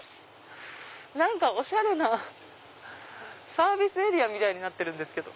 おしゃれなサービスエリアみたいになってるんですけど。